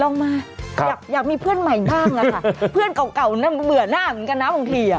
ลองมาอยากมีเพื่อนใหม่บ้างอะค่ะเพื่อนเก่าเหมือนหน้าเหมือนกันนะบางที